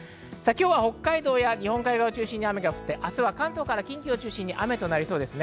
今日は北海道や日本海側を中心に雨が降って明日は関東から近畿を中心に雨となりそうです。